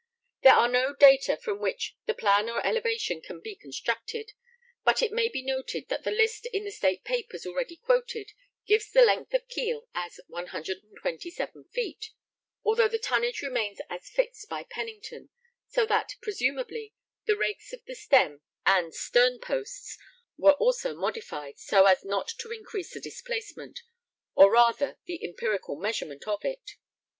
There are no data from which the plan or elevation can be constructed, but it may be noted that the list in the State Papers already quoted gives the length of keel as 127 feet, although the tonnage remains as fixed by Pennington, so that, presumably, the rakes of the stem and stern posts were also modified so as not to increase the displacement, or rather the empirical measurement of it.